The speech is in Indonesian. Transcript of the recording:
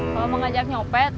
mau ngajak nyopet